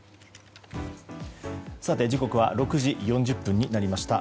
さて、時刻は６時４０分になりました。